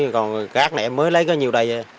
còn các gác này em mới lấy có nhiều đầy